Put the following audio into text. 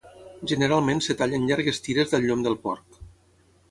Generalment es talla en llargues tires del llom del porc.